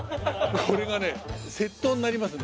これはね窃盗になりますね。